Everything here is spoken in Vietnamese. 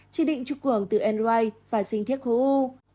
chỉ định chụp cuồng từ nri và xin thiết khối u